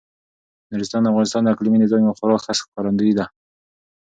نورستان د افغانستان د اقلیمي نظام یو خورا ښه ښکارندوی دی.